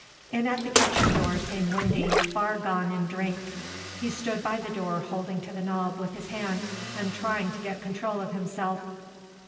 In at the kitchen door came Windy, far gone in drink. He stood by the door holding to the knob with his hand and trying to get control of himself.